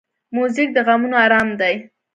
موزیک د غمونو آرام دی.